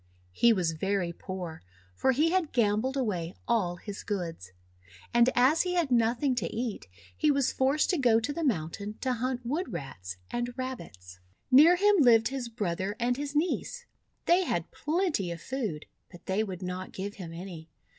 He was very poor, for he had gambled away all his goods. And as he had nothing to eat, he was forced to go to the mountain to hunt Wood Rats and Rabbits. Near him lived his brother and his niece. They had plenty of food, but they would not give him any.